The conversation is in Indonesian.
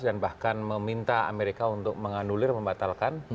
dan bahkan meminta amerika untuk mengandulir membatalkan